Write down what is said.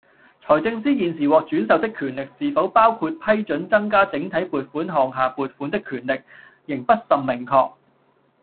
財政司現時獲轉授的權力是否包括批准增加整體撥款項下撥款的權力，仍不甚明確